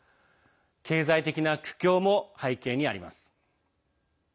経済的な苦境も背景にあります。